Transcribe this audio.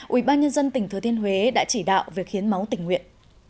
ubnd tỉnh thừa thiên huế đã chỉ đạo việc hiến máu tình nguyện